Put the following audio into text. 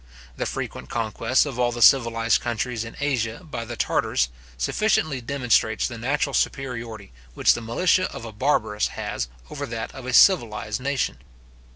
The frequent conquests of all the civilized countries in Asia by the Tartars, sufficiently demonstrates the natural superiority which the militia of a barbarous has over that of a civilized nation.